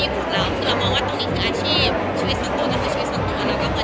ก็ไม่รู้ว่าเค้าวางไทยเกือบอะไรกัน